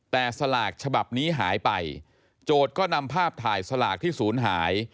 แต่สลากฉบับนี้หายไปโจทย์ก็นำภาพถ่ายสลากที่ศูนย์หาย